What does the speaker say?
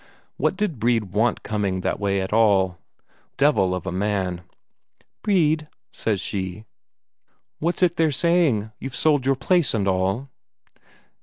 What did Brede want coming that way at all devil of a man! "Brede," says she, "what's it they're saying, you've sold your place and all?"